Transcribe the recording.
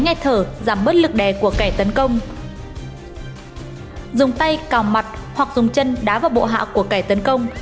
nghe thở giảm bớt lực đè của kẻ tấn công dùng tay cào mặt hoặc dùng chân đá vào bộ hạ của kẻ tấn công